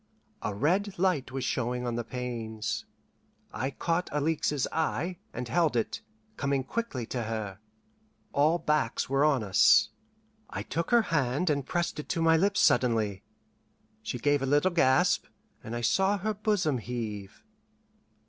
A red light was showing on the panes. I caught Alixe's eye, and held it, coming quickly to her. All backs were on us. I took her hand and pressed it to my lips suddenly. She gave a little gasp, and I saw her bosom heave.